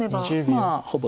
まあほぼ。